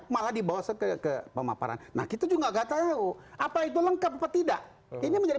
malah dibawa ke pemaparan nah kita juga nggak tahu apa itu lengkap apa tidak ini menjadi